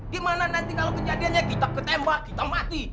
gimana nanti kalau kejadiannya kita ketembak kita mati